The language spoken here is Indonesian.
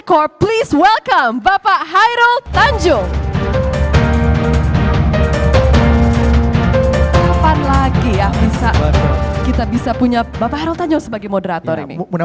kami memiliki ibu hera f harin yang indah